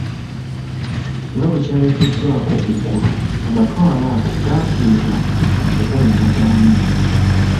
Nga bwe kyayogeddwako engulu, amatwale ago gaateebwa mu kukola Endagaano eyo.